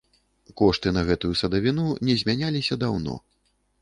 Кошты на гэтую садавіну не змяняліся даўно.